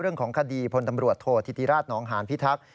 เรื่องของคดีพลตำรวจโทษธิติราชนองหานพิทักษ์